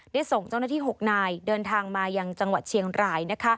ส่งเจ้าหน้าที่๖นายเดินทางมายังจังหวัดเชียงราย